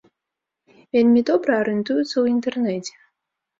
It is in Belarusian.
Вельмі добра арыентуюцца ў інтэрнэце.